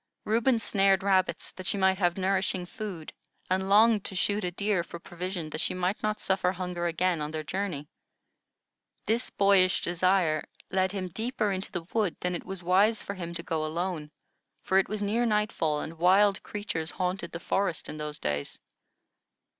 Reuben snared rabbits, that she might have nourishing food, and longed to shoot a deer for provision, that she might not suffer hunger again on their journey. This boyish desire led him deeper into the wood than it was wise for him to go alone, for it was near nightfall, and wild creatures haunted the forest in those days.